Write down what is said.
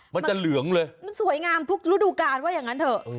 มันจะเหลืองเลยมันสวยงามทุกฤดูการว่าอย่างนั้นเถอะ